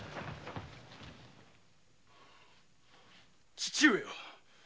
父上は？